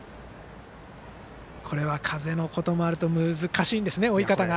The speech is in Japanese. これは風のこともあると難しいんですね、追い方が。